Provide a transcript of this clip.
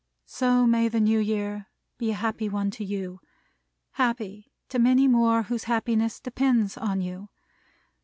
So may the New Year be a happy one to you, happy to many more whose happiness depends on you!